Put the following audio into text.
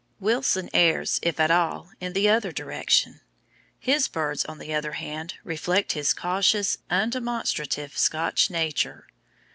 Wilson errs, if at all, in the other direction. His birds, on the other hand, reflect his cautious, undemonstrative Scotch nature.